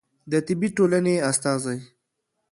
د طبي ټولنې استازی